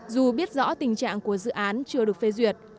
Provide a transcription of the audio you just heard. dù biết rõ tình trạng của dự án chưa được phê duyệt